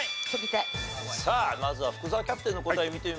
まずは福澤キャプテンの答え見てみましょうか。